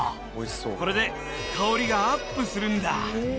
これで香りがアップするんだ。